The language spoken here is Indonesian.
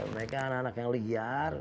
mereka anak anak yang liar